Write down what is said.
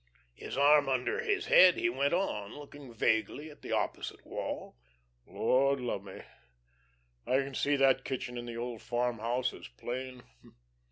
His arm under his head, he went on, looking vaguely at the opposite wall. "Lord love me, I can see that kitchen in the old farmhouse as plain!